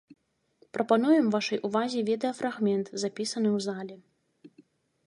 Прапануем вашай увазе відэафрагмент, запісаны ў залі.